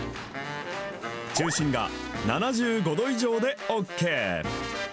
中心が７５度以上でＯＫ。